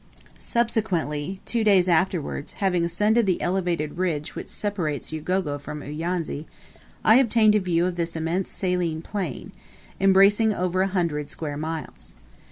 Subsequently, two days afterwards, having ascended the elevated ridge which separates Ugogo from Uyanzi, I obtained a view of this immense saline plain, embracing over a hundred square miles.